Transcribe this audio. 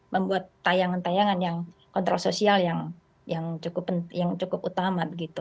membuat tayangan tayangan yang kontrol sosial yang cukup utama